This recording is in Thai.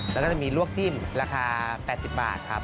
แล้วก็จะมีลวกจิ้มราคา๘๐บาทครับ